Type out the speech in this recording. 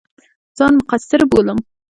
ځان مقصِر بولم.